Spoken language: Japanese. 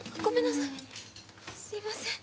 すいません。